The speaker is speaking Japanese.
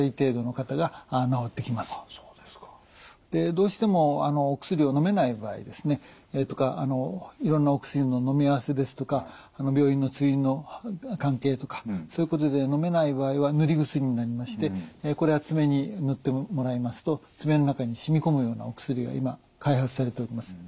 どうしてもお薬をのめない場合とかいろんなお薬ののみ合わせですとか病院の通院の関係とかそういうことでのめない場合は塗り薬になりましてこれは爪に塗ってもらいますと爪の中に染み込むようなお薬を今開発されております。